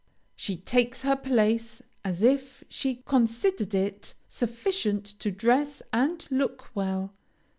She takes her place as if she considered it sufficient to dress and look well.